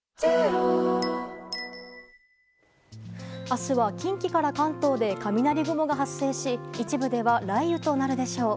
明日は近畿から関東で雷雲が発生し一部では雷雨となるでしょう。